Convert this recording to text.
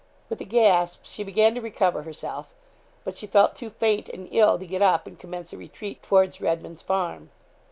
With a gasp she began to recover herself; but she felt too faint and ill to get up and commence a retreat towards Redman's Farm.